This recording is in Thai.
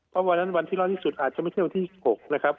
เพราะวันนั้นวันที่ร้อนที่สุดอาจจะไม่ใช่วันที่๖นะครับ